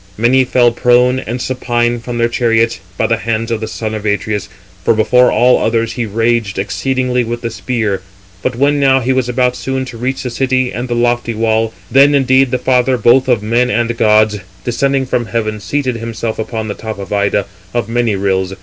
Many fell prone and supine from their chariots, by the hands of the son of Atreus; for before [all others] he raged exceedingly with the spear. But when now he was about soon to reach the city and the lofty wall, then indeed the father both of men and gods, descending from heaven, seated himself upon the tops of Ida, of many rills.